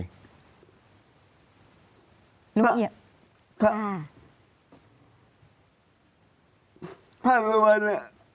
ลุงเอี่ยม